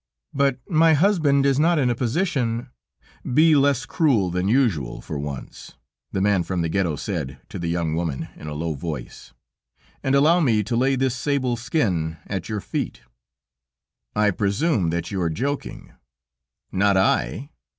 "But my husband is not in a position ..." "Be less cruel than usual for once," the man from the Ghetto said to the young woman in a low voice, "and allow me to lay this sable skin at your feet." "I presume that you are joking." "Not I